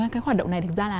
cái hoạt động này thực ra là